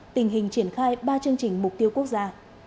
tình hình triển khai ba chương trình mục tiêu quốc gia